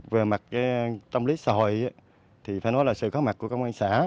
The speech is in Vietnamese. về mặt tâm lý xã hội thì phải nói là sự có mặt của công an xã